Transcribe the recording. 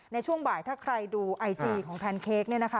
ในช่วงบ่ายถ้าใครดูไอจีของแพนเค้ก